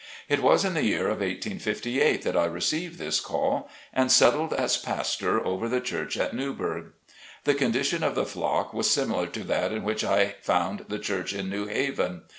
It was in the year of 1858, that I received this call and settled as pastor over the church at Newburgh. The condition of the flock was similar to that in which I found the church in New Haven.